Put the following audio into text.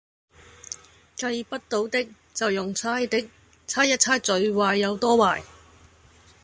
計不到的，就用猜的，猜一猜最壞有多壞